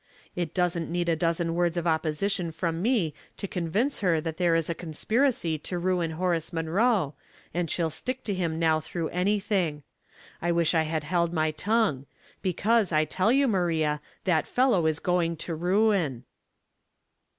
It doesn't need a dozen words of opposi tion from me to convince her that there is a con spiracy to ruin Horace Munroe, and she'll stick to him now through anything. I wish I had held my tongue ; because, I tell you, Maria, that fellow is going to ruin."